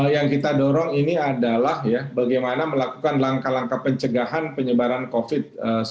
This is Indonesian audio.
yang kita dorong ini adalah bagaimana melakukan langkah langkah pencegahan penyebaran covid sembilan belas